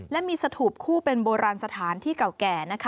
และมีสถูปคู่เป็นโบราณสถานที่เก่าแก่นะคะ